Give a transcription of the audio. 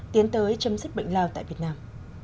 tiến tới chấm dứt bệnh lao tại việt nam